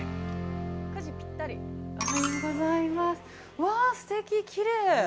うわ、すてき、きれい。